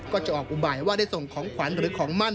ก็จะออกอุบายว่าได้ส่งของขวัญหรือของมั่น